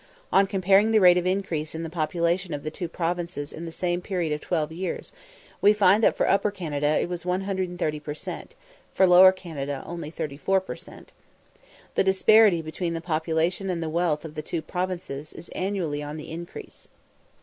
On comparing the rate of increase in the population of the two provinces in the same period of twelve years, we find that for Upper Canada it was 130 per cent., for Lower Canada only 34 per cent. The disparity between the population and the wealth of the two provinces is annually on the increase.